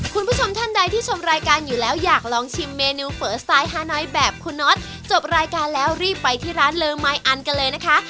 คุณผู้ชมท่านใดที่ชมรายการอยู่แล้วอยากลองชิมเมนูเฝอสไตล์ฮาน้อยแบบคุณน็อตจบรายการแล้วรีบไปที่ร้านเลอมายอันกันเลยนะคะ